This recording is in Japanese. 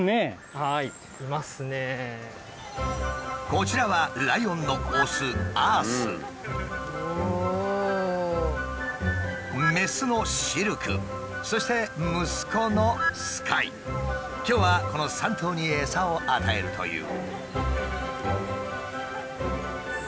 こちらはライオンのオスメスのそして息子の今日はこの３頭にエサを与えるという。